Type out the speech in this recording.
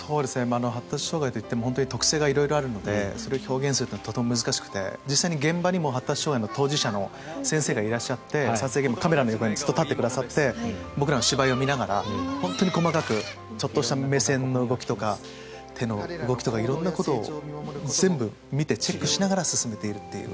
発達障害といっても特性が色々あるのでそれを表現するのはとても難しくて実際に現場にも発達障害の当事者の先生もいらっしゃって撮影現場の横にもずっと立ってくださって僕らの芝居を見ながら本当に細かくちょっとした目線の動きとか手の動きとかを全部見てチェックしながら進めているという。